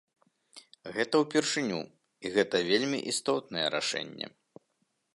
Гэта ўпершыню і гэта вельмі істотнае рашэнне.